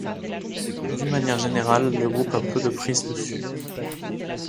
D'une manière générale, le groupe a peu de prise dessus.